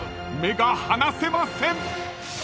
［目が離せません！］